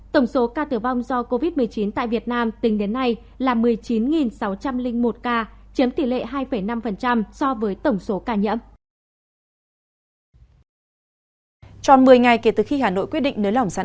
tổng số ca tử vong do covid một mươi chín tại việt nam tính đến nay là một mươi chín sáu trăm linh một ca chiếm tỷ lệ hai năm so với tổng số ca nhiễm